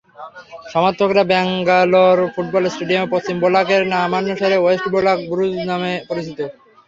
সমর্থকরা ব্যাঙ্গালোর ফুটবল স্টেডিয়ামে পশ্চিম ব্লক-এর নামানুসারে ওয়েস্ট ব্লক ব্লুজ নামে পরিচিত।